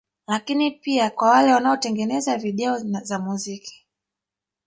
Lakini pia kwa wale wanaotengeneza Video za muziki